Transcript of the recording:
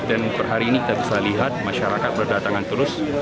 dan perhari ini kita bisa lihat masyarakat berdatangan terus